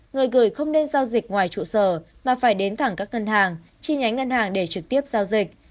người gửi không nên giao dịch ngoài trụ sở mà phải đến thẳng các ngân hàng chi nhánh ngân hàng để trực tiếp giao dịch